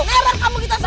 meron kamu kita semua